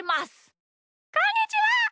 こんにちは。